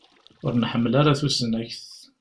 Ur nḥemmel ara tusnakt.